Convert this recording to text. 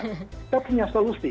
kita punya solusi